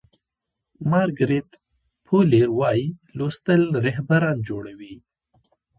مارګریت فو لیر وایي لوستل رهبران جوړوي.